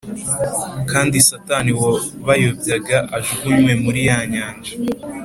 kandi Satani wabayobyaga ajugunywe muri ya nyanja